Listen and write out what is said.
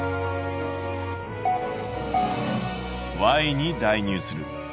「に代入する」。